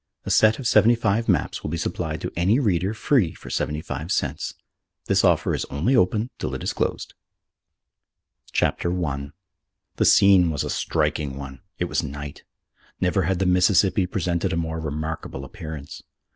A set of seventy five maps will be supplied to any reader free for seventy five cents. This offer is only open till it is closed_) VII. The Blue and the Grey: A Pre War War Story. CHAPTER I The scene was a striking one. It was night. Never had the Mississippi presented a more remarkable appearance.